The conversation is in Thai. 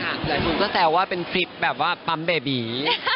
หลายคนก็แซวว่าเป็นคลิปแบบว่าปั๊มเบบี